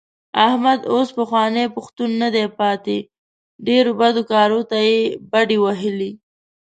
احمد اوس پخوانی پښتون نه دی پاتې. ډېرو بدو کارو ته یې بډې وهلې.